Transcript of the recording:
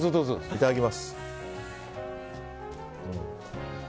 いただきます。